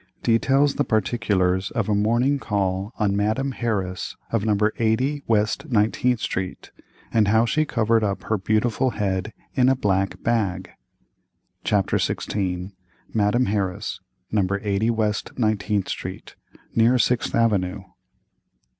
Details the particulars of a morning call on Madame Harris, of No. 80 West 19th Street, and how she covered up her beautiful head in a black bag. CHAPTER XVI. MADAME HARRIS, No. 80 WEST 19TH STREET, NEAR SIXTH AVENUE.